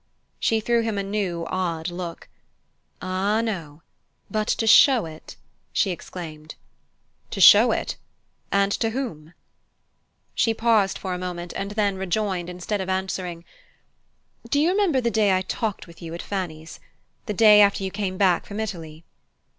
She threw him a new, odd look. "Ah, no but to show it!" she exclaimed. "To show it? And to whom?" She paused for a moment, and then rejoined, instead of answering: "Do you remember that day I talked with you at Fanny's? The day after you came back from Italy?"